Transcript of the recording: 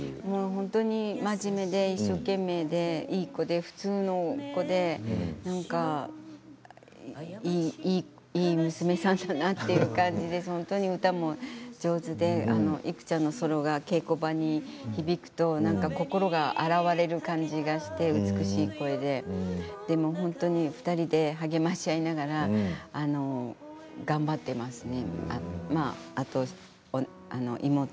本当に真面目で一生懸命で、いい子で普通の子でなんかいい娘さんだなという感じで本当に歌も上手で生ちゃんのソロが稽古場に響くとなんか心が洗われる感じがして美しい声ででも、本当に２人で励まし合いながら頑張ってますね。